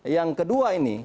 yang kedua ini